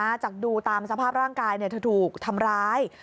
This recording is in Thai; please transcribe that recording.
จากดูตามสภาพร่างกายเธอถูกทำร้าย